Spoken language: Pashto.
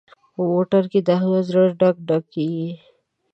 په موټر کې د احمد زړه ډک ډک کېږي.